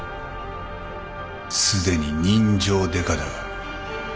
すでに人情デカだが。